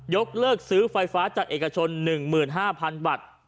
กเลิกซื้อไฟฟ้าจากเอกชน๑๕๐๐๐บาท